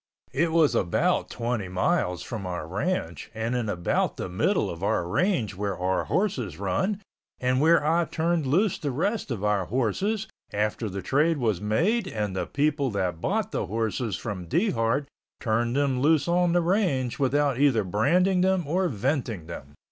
It was about 20 miles from our ranch and in about the middle of our range where our horses run and where I turned loose the rest of our horses, after the trade was made and the people that bought the horses from Dehart turned them loose on the range without either branding them or venting them.